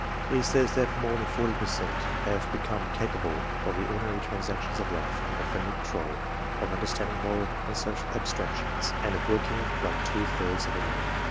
He says that more than forty per cent, have become capable of the ordinary transactions of life, under friendly control ; of understanding moral and social abstractions, and of working like two thirds of a man.